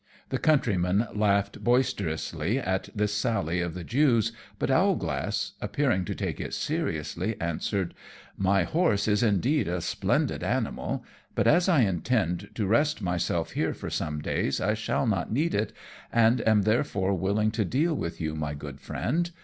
The countrymen laughed boisterously at this sally of the Jew's, but Owlglass, appearing to take it seriously, answered: "My horse is, indeed, a splendid animal; but as I intend to rest myself here for some days I shall not need it, and am therefore willing to deal with you, my good Friend.